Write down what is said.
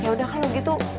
ya udah kan begitu